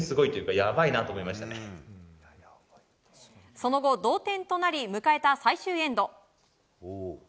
その後、同点となり迎えた最終エンド。